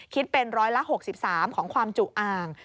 คิดเป็นร้อยละ๖๓ของความจุอ่าง